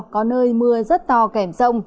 có nơi mưa rất to kèm rông